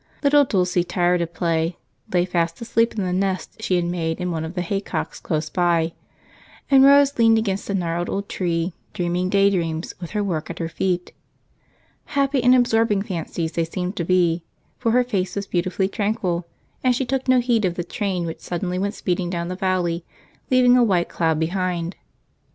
Little Dulce, tired of play, lay fast asleep in the nest she had made in one of the haycocks close by, and Rose leaned against the gnarled old tree, dreaming daydreams with her work at her feet. Happy and absorbing fancies they seemed to be, for her face was beautifully tranquil, and she took no heed of the train which suddenly went speeding down the valley, leaving a white cloud behind.